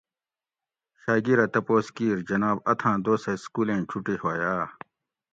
شاگیرہ تپوس کیر جناب اتھاۤں دوسہ سکولیں چھُٹی ہویٔ آ؟